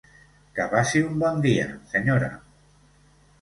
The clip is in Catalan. Que passi un bon dia, senyora.